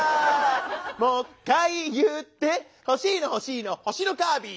もっかい言ってほしいのほしいの星のカービィ！